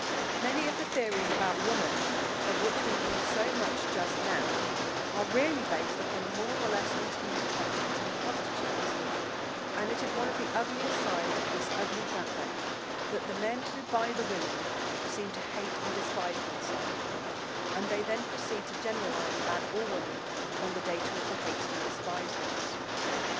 Many of the theories about Woman, of which we hear so much just now, are really based upon a more or less intimate acquaintance with prostitutes, and it is one of the ugliest sides of this ugly traffic that the men who buy the women seem to hate and despise them so, and they then proceed to generalise about all women on the data of the hated and despised ones.